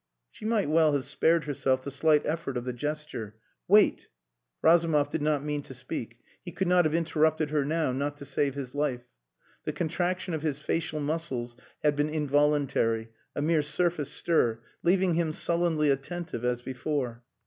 She might well have spared herself the slight effort of the gesture: "Wait!" Razumov did not mean to speak; he could not have interrupted her now, not to save his life. The contraction of his facial muscles had been involuntary, a mere surface stir, leaving him sullenly attentive as before.